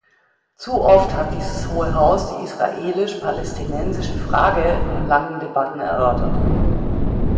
Zu oft hat dieses Hohe Haus die israelisch-palästinensische Frage in langen Debatten erörtert.